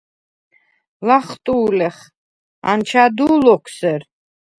ლახტუ̄ლეხ: “ანჩადუ ლოქ სერ”.